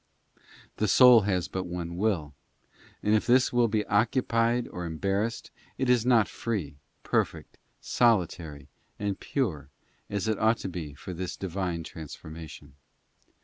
The soul has but one will; and if this will be occupied or embar rassed, it is not free, perfect, solitary, and pure, as it ought to be for this Divine transformation.